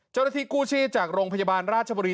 เกิดรอบที่จากโรงพยาบาลราชบรี